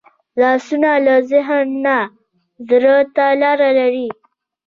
لاسونه له ذهن نه زړه ته لاره لري